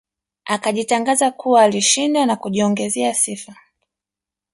Akajitangaza kuwa alishinda na kujiongezea sifa